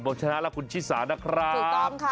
ผมชนะและคุณชิสานะครับ